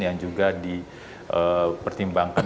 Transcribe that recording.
yang juga dipertimbangkan